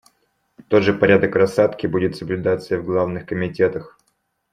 Тот же порядок рассадки будет соблюдаться и в главных комитетах.